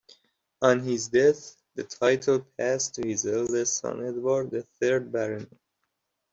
On his death the title passed to his eldest son Edward, the third Baron.